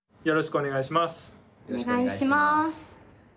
よろしくお願いします。